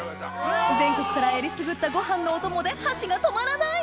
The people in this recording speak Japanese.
全国からえりすぐったご飯のお供で箸が止まらない！